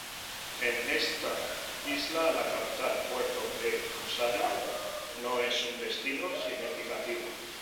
En esta isla la capital, Puerto del Rosario no es un destino significativo.